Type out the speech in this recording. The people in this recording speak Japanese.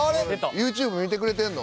ＹｏｕＴｕｂｅ見てくれてるの？